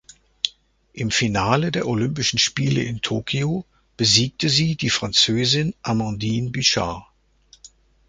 Im Finale der Olympischen Spiele in Tokio besiegte sie die Französin Amandine Buchard.